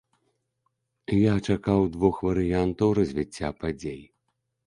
Я чакаў двух варыянтаў развіцця падзей.